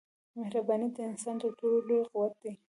مهرباني د انسان تر ټولو لوی قوت دی.